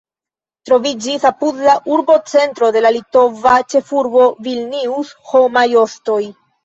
Troviĝis apud la urbocentro de la litova ĉefurbo Vilnius homaj ostoj.